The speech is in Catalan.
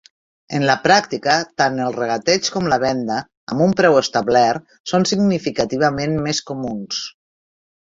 En la pràctica, tant el regateig com la venda amb un preu establert són significativament més comuns.